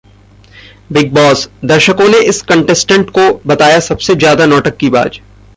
Bigg Boss: दर्शकों ने इस कंटेस्टेंट को बताया सबसे ज्यादा नौटंकीबाज